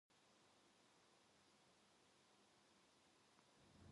제 고양이는 편두통이 잦습니다.